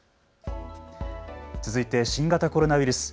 続いて新型コロナウイルス。